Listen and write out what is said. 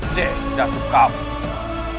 syekh datuk khaofi